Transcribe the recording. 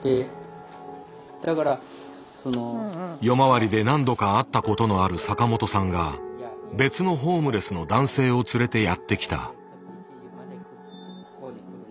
夜回りで何度か会ったことのある坂本さんが別のホームレスの男性を連れてやって来た。